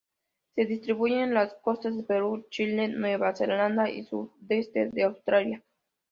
Se distribuyen por las costas de Perú, Chile, Nueva Zelanda y sudeste de Australia.